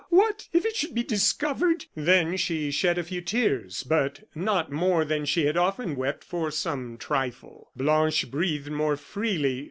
What if it should be discovered!" Then she shed a few tears, but not more than she had often wept for some trifle. Blanche breathed more freely.